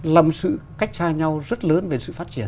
làm sự cách xa nhau rất lớn về sự phát triển